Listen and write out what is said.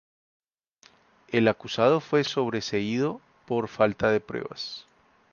El acusado fue sobreseído por falta de pruebas.